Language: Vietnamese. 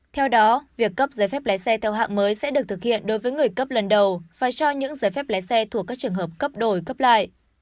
theo đó việc cấp giấy phép lái xe theo hạng mới sẽ được thực hiện đối với người cấp lần đầu và cho những giấy phép lái xe thuộc các trường hợp cấp đổi cấp lại